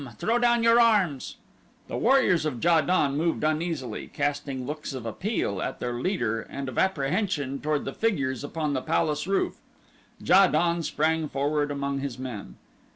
Throw down your arms." The warriors of Ja don moved uneasily, casting looks of appeal at their leader and of apprehension toward the figures upon the palace roof. Ja don sprang forward among his men.